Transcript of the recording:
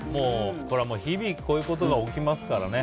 これはもう日々こういうことが起きますからね。